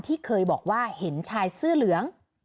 ที่เคยบอกว่าเห็นชายเสื้อเหลือง